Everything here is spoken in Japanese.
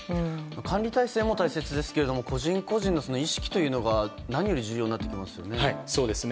管理体制も大切ですけれども個人個人の意識というのが何より重要になってきますよね。